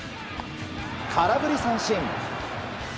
空振り三振！